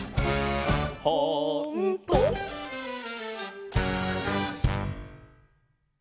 「ほんとー？」